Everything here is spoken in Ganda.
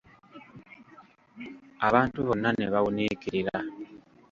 Abantu bonna ne bawuniikirira.